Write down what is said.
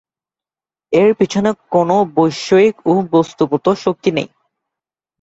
এর পেছনে কোন বৈষয়িক ও বস্তুগত শক্তি নেই।